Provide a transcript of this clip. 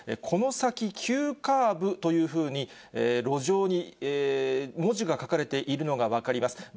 この先急カーブというふうに、路上に文字が書かれているのが分かります。